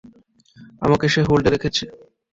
আমাকে সে হোল্ডে রেখেছে!